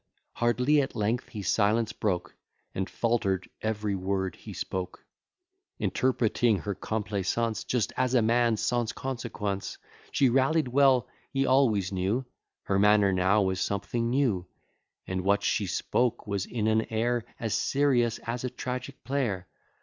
Hardly at length he silence broke, And falter'd every word he spoke; Interpreting her complaisance, Just as a man sans consequence. She rallied well, he always knew: Her manner now was something new; And what she spoke was in an air As serious as a tragic player.